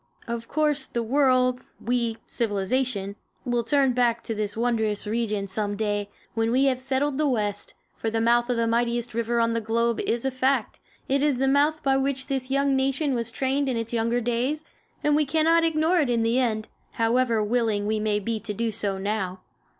Of course, the world, we, civilization, will turn back to this wondrous region some day, when we have settled the West; for the mouth of the mightiest river on the globe is a fact; it is the mouth by which this young nation was trained in its younger days, and we cannot ignore it in the end, however willing we may be to do so now.